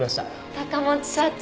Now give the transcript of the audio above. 高持社長